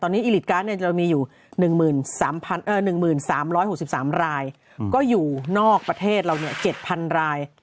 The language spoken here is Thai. ตอนนี้อิลิตการ์ดเรามีอยู่๑๓๖๓รายก็อยู่นอกประเทศเรา๗๐๐ราย